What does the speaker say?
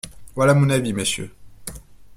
Voilà mon avis, Messieurs!